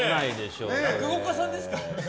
落語家さんですか？